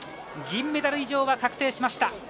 銀メダル以上は確定しました。